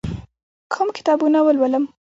کوم کتابونه ولولم؟